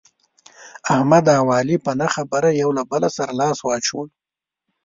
احمد او علي په نه خبره یو له بل سره لاس واچولو.